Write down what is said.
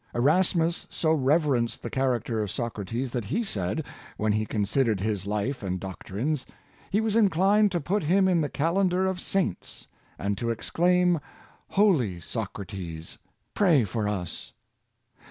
Erasmus so reverenced the character of Socrates that he said, when he considered his life and doctrines, he was inclined to put him in the calendar of saints, and to exclaim. Holy Socrates, pray for us!